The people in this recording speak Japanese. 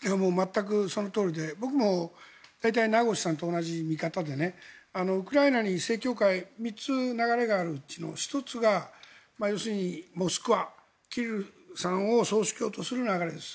全くそのとおりで僕も大体、名越さんと同じ見方でウクライナに正教会３つ流れがあるうちの１つが要するにモスクワ、キリルさんを総主教とする流れです。